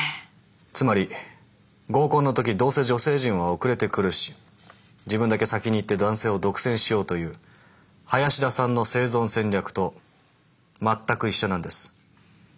つまり合コンの時どうせ女性陣は遅れてくるし自分だけ先に行って男性を独占しようという林田さんの生存戦略と全く一緒なんです。